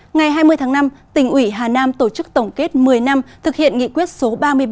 ngày hai mươi tháng năm tỉnh ủy hà nam tổ chức tổng kết một mươi năm thực hiện nghị quyết số ba mươi ba